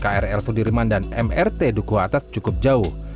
krl sudirman dan mrt duku atas cukup jauh